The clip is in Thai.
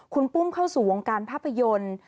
คุณปุ้มเข้าสู่วงการภาพยนตร์